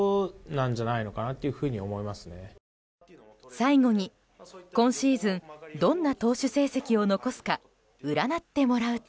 最後に、今シーズンどんな投手成績を残すか占ってもらうと。